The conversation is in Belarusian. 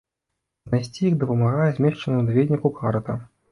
Знайсці іх дапамагае змешчаная ў даведніку карта.